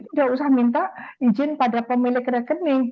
tidak usah minta izin pada pemilik rekening